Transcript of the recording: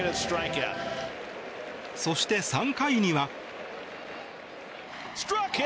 そして３回には。